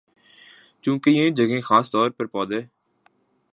چونکہ یہ جگہیں خاص طور پر پودے